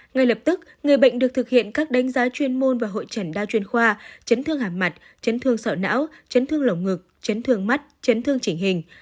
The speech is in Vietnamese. ngay lập tức người bệnh được thực hiện các đánh giá chuyên môn và hội trần đa chuyên khoa chấn thương hàm mặt chấn thương sọ não chấn thương lẩu ngực chấn thương mắt chấn thương chỉnh hình